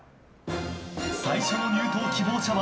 最初の入党希望者は。